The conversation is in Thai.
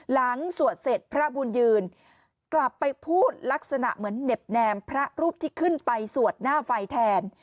สวดเสร็จพระบุญยืนกลับไปพูดลักษณะเหมือนเหน็บแนมพระรูปที่ขึ้นไปสวดหน้าไฟแทน